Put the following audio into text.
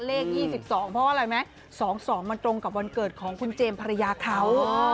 เลข๒๒เพราะอะไรไหม๒๒มันตรงกับวันเกิดของคุณเจมส์ภรรยาเขา